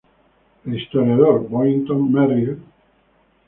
El historiador Boynton Merrill, Jr.